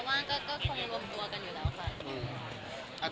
วันเกิดพี่นเดชน์กี่วันแต่ไหน